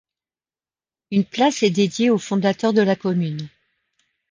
Une place est dédiée au fondateur de la commune.